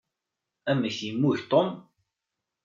Amek yemmug Tom?